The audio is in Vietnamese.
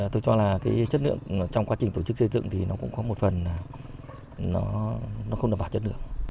tôi cho là cái chất lượng trong quá trình tổ chức xây dựng thì nó cũng có một phần là nó không đảm bảo chất lượng